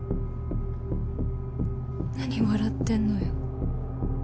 何笑ってんのよ。